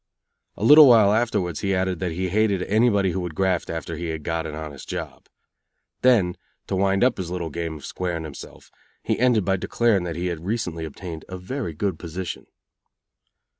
A little while afterwards he added that he hated anybody who would graft after he had got an honest job. Then, to wind up his little game of squaring himself, he ended by declaring that he had recently obtained a very good position.